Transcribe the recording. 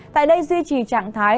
tại đây duy trì trạng thái